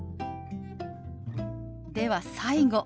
では最後。